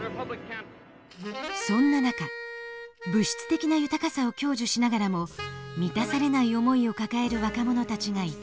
そんな中物質的な豊かさを享受しながらも満たされない思いを抱える若者たちがいた。